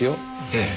ええ。